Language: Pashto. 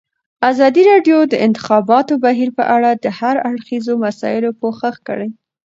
ازادي راډیو د د انتخاباتو بهیر په اړه د هر اړخیزو مسایلو پوښښ کړی.